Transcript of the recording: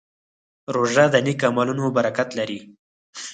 روژه د نیک عملونو برکت لري.